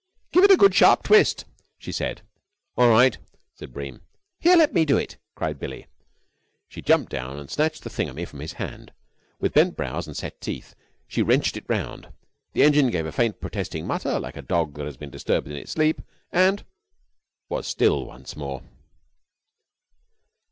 "Give it a good sharp twist," she said. "All right," said Bream. "Here, let me do it," cried Billie. She jumped down and snatched the thingummy from his hand. With bent brows and set teeth she wrenched it round. The engine gave a faint protesting mutter, like a dog that has been disturbed in its sleep, and was still once more.